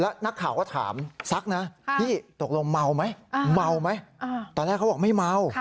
และนักข่าวก็ถามซักนะตกลงเมาไหมตอนแรกเขาบอกไม่เมา